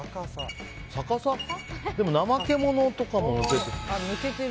でもナマケモノとかも。